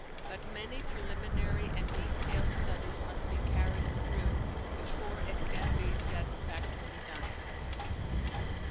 But many preliminary and detailed studies must be carried through before it can be satisfactorily done.